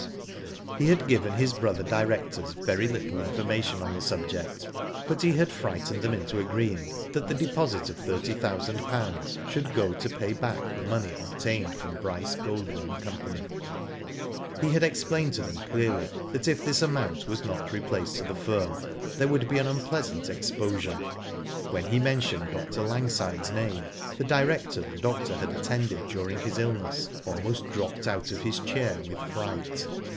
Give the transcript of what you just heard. L a Digitized by VjOOQIC .148 WHO DID ITt He had given his brother directors very little information on the subject, but he had frightened them into agreeing that the deposit of thirty thousand pounds should go to pay back the money obtained from Bryce, Golding, and Co. He had explained to them clearly that if this amount was not replaced to the firm, there would be an unpleasant exposure. When he mentioned Dr. Langside's name, the director the doctor had attended during his illness almost dropped out of his chair with fright.